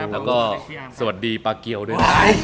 แล้วก็สวัสดีปลาเกียวด้วยนะ